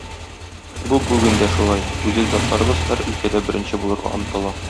Бу бүген дә шулай: гүзәл затларыбыз һәр өлкәдә беренче булырга омтыла.